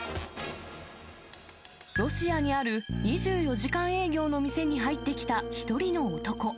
ロシアにある２４時間営業の店に入ってきた１人の男。